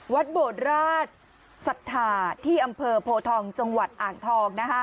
วัดโบดราชศรัทธาที่อำเภอโพทองจังหวัดอ่างทอง